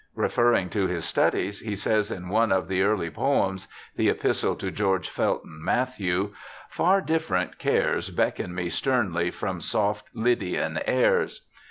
Referring to his studies, he says, in one of the early poems (the epistle to George Felton Mathew), ' far different cares beckon me sternly from soft Lydian airs.'